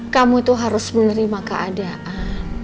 kamu itu harus menerima keadaan